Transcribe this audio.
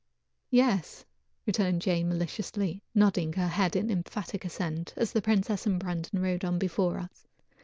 "Yes," returned Jane maliciously, nodding her head in emphatic assent, as the princess and Brandon rode on before us.